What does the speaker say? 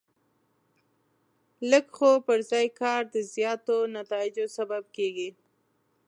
لږ خو پر ځای کار د زیاتو نتایجو سبب کېږي.